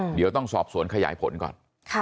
เดี๋ยวต้องสอบสวนขยายผลก่อน